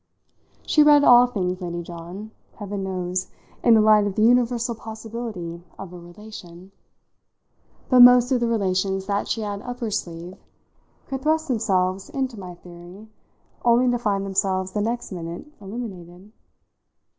She read all things, Lady John, heaven knows, in the light of the universal possibility of a "relation"; but most of the relations that she had up her sleeve could thrust themselves into my theory only to find themselves, the next minute, eliminated.